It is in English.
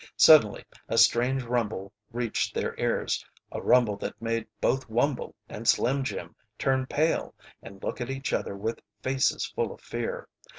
Suddenly a strange rumble reached their ears, a rumble that made both Wumble and Slim Jim turn pale and look at each other with faces full of fear.